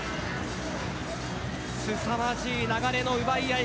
すさまじい流れの奪い合い。